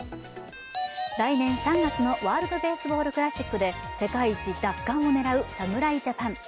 来年３月のワールドベースボールクラシックで世界一奪還を狙う侍ジャパン。